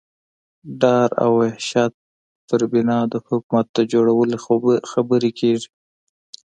ډار او وحشت پر بنا د حکومت د جوړولو خبرې کېږي.